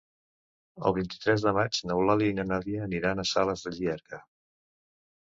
El vint-i-tres de maig n'Eulàlia i na Nàdia aniran a Sales de Llierca.